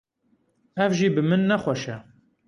Ev jî bi min nexweşe.